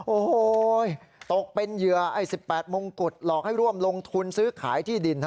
โอ้โหตกเป็นเหยื่อไอ้๑๘มงกุฎหลอกให้ร่วมลงทุนซื้อขายที่ดิน